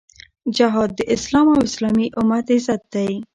جهاد د اسلام او اسلامي امت عزت دی.